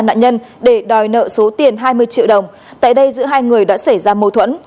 nạn nhân để đòi nợ số tiền hai mươi triệu đồng tại đây giữa hai người đã xảy ra mâu thuẫn